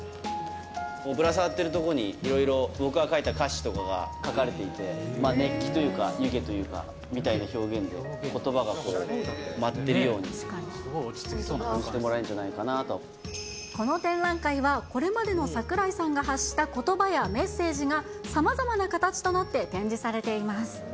ぶら下がっているところに、いろいろ、僕が書いた歌詞とかが書かれていて、熱気というか湯気というか、みたいな表現のことばが舞ってるように感じてもらえるんじゃないこの展覧会は、これまでの櫻井さんが発したことばやメッセージが、さまざまな形となって展示されています。